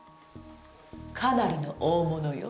かなりの大物よ。